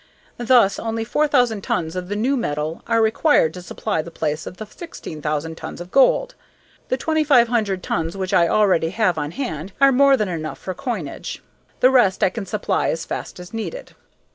Thus only 4000 tons of the new metal are required to supply the place of the 16,000 tons of gold. The 2500 tons which I already have on hand are more than enough for coinage. The rest I can supply as fast as needed."